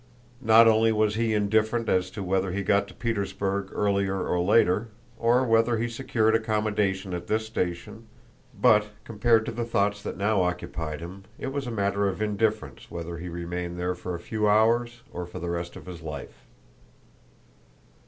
Not only was he indifferent as to whether he got to Petersburg earlier or later, or whether he secured accommodation at this station, but compared to the thoughts that now occupied him it was a matter of indifference whether he remained there for a few hours or for the rest of his life.